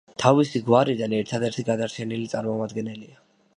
თავისი გვარიდან ერთადერთი გადარჩენილი წარმომადგენელია.